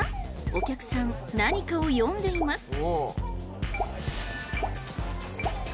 お客さん何かを読んでいます。